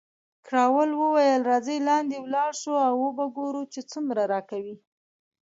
کراول وویل، راځئ لاندې ولاړ شو او وو به ګورو چې څومره راکوي.